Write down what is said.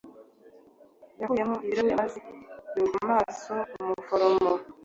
Yakuyemo ibirahuri maze yubika amaso umuforomo.